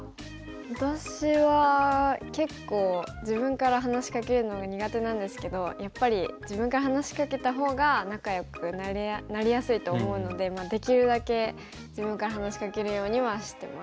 私は結構自分から話しかけるのが苦手なんですけどやっぱり自分から話しかけたほうが仲よくなりやすいと思うのでできるだけ自分から話しかけるようにはしてます。